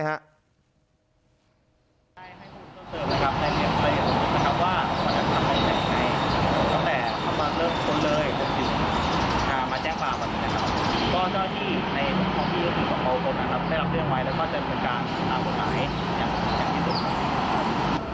อยากแจกโดด